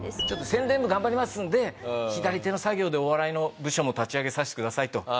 ちょっと宣伝部頑張りますんで左手の作業でお笑いの部署も立ち上げさせてくださいと。